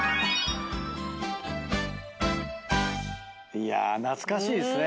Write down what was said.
いや懐かしいですね。